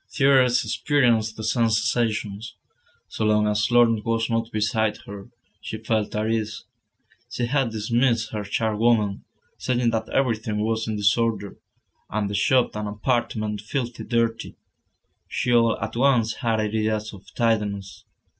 Thérèse experienced the same sensations. So long as Laurent was not beside her, she felt at ease. She had dismissed her charwoman, saying that everything was in disorder, and the shop and apartment filthy dirty. She all at once had ideas of tidiness.